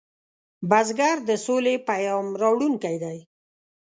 بزګر د سولې پیام راوړونکی دی